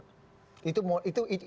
kita bisa sprint ke nomor dua